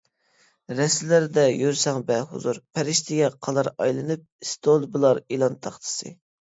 رەستىلەردە يۈرسەڭ بەھۇزۇر، پەرىشتىگە قالار ئايلىنىپ، ئىستولبىلار، ئېلان تاختىسى.